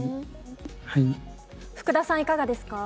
福田さん、いかがですか。